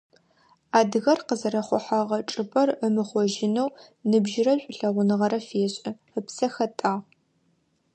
Адыгэр къызэрэхъухьэгъэ чӀыпӀэр ымыхъожьынэу ныбжьырэ шӀулъэгъуныгъэ фешӀы, ыпсэ хэтӀагъ.